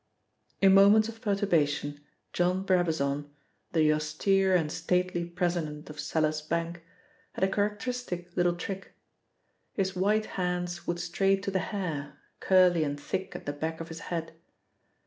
In moments of perturbation John Brabazon, the austere and stately president of Seller's Bank, had a characteristic little trick. His white hands would stray to the hair, curly and thick at the back of his head.